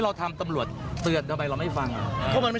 เรามาไล่ประโยชน์เขามาจากบริการครับพี่